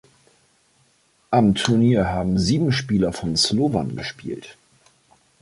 Am Turnier haben sieben Spieler von Slovan gespielt.